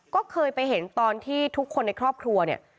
ก็เคยไปเห็นตอนที่ทุกคนในครอบครัวเนี่ย